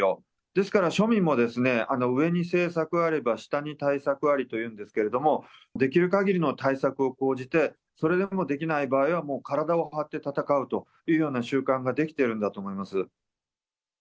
ですから庶民もですね、上に政策あれば下に対策ありというんですけれども、出来るかぎりの対策を講じて、それでもできない場合は、もう体を張って戦うというような習慣ができてるんだと思います。